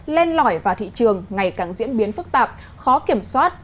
len lỏi vào thị trường ngày càng diễn biến phức tạp khó kiểm soát